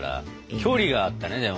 距離があったねでも。